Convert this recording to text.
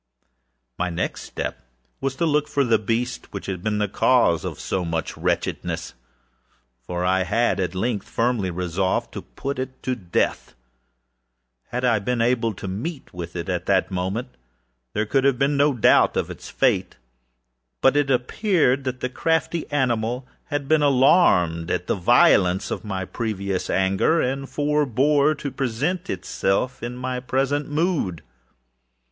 â My next step was to look for the beast which had been the cause of so much wretchedness; for I had, at length, firmly resolved to put it to death. Had I been able to meet with it, at the moment, there could have been no doubt of its fate; but it appeared that the crafty animal had been alarmed at the violence of my previous anger, and forebore to present itself in my present mood.